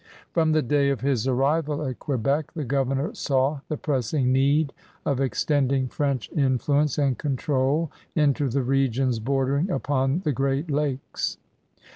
From the day of his arrival at Quebec the governor saw the pressing need of extending French influence and control into the regions bordering upon the Great Lakes.